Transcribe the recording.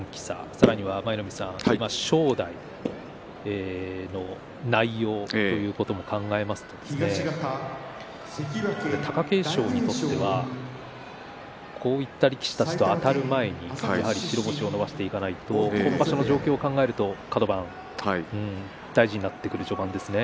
さらには舞の海さん正代の内容ということも考えますと貴景勝にとってはこういった力士たちとあたる前に白星を伸ばしていかないと今場所の状況を考えるとカド番大事になってくる序盤ですね。